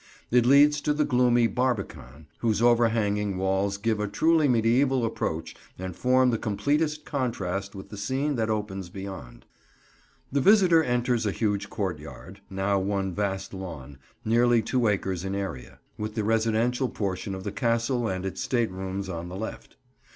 It leads to the gloomy Barbican, whose overhanging walls give a truly mediæval approach and form the completest contrast with the scene that opens beyond. The visitor enters a huge courtyard, now one vast lawn, nearly two acres in area; with the residential portion of the Castle and its state rooms on the left.